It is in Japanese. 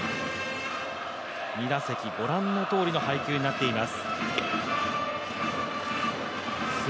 ２打席ご覧のとおりの配球になっています。